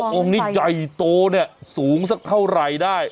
ถามว่าโอ้โหนี่ใจโตเนี่ยสูงสักเท่าไหร่ได้